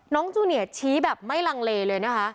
จูเนียชี้แบบไม่ลังเลเลยนะคะ